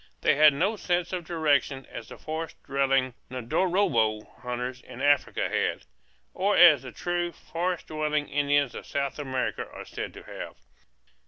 They had no such sense of direction as the forest dwelling 'Ndorobo hunters in Africa had, or as the true forest dwelling Indians of South America are said to have.